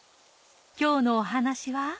今日のお話は。